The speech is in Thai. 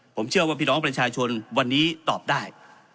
ผมเชื่อว่าพี่น้องประชาชนวันนี้ตอบได้